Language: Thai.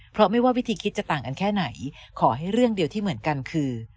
เพราะไม่ว่าวิธีคิดจะต่างกันแค่ไหนขอให้เรื่องเดียวที่เหมือนกันคือ